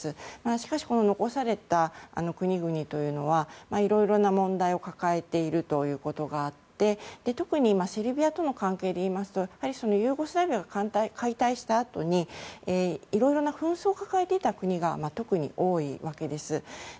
しかし残された国々というのはいろいろな問題を抱えているということがあって特にセルビアとの関係ですとやはりユーゴスラビアが解体したあとにいろいろな紛争を抱えていた国が特に多いわけです。